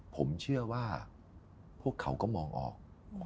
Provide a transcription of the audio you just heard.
ผมเชื่อว่าพวกเขาก็มองออก